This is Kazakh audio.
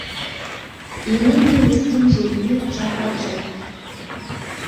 Емен де өскен жеріне жапырақ жаяр.